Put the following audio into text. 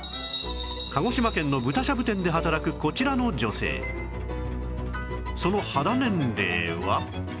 鹿児島県の豚しゃぶ店で働くこちらの女性その肌年齢は